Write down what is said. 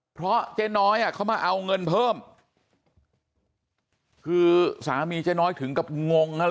เพราะเจ๊น้อยอ่ะเขามาเอาเงินเพิ่มคือสามีเจ๊น้อยถึงกับงงฮะ